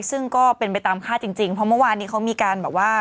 ซึ่งก็เป็นไปตามคาดจริงเพราะเมื่อวานนี้เขามีการแบบว่า